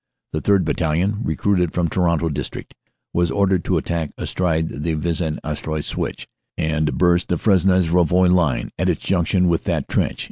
The 3rd. Battalion, recruited from Toronto district, was ordered to attack astride the Vis en Artois Switch and burst the Fresnes Rouvroy line at its junction with that trench.